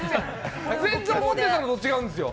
全然思ってたのと違うんですよ。